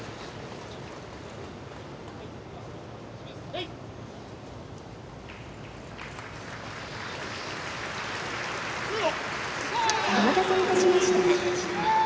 お待たせいたしました。